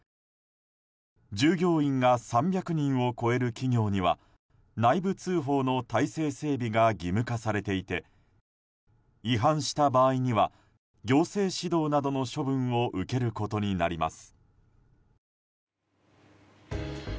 従業員が３００人を超える企業には内部通報の体制・整備が義務化されていて違反した場合には行政指導などの処分を受けることになります。